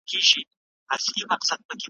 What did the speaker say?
بې خبره د ښاریانو له دامونو ,